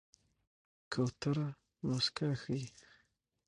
کوتره موسکا ښيي.